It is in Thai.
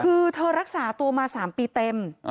คือเธอรักษาตัวมา๓ปีเต็ม